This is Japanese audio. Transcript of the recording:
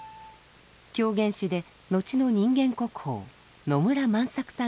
狂言師で後の人間国宝野村万作さんが演じています。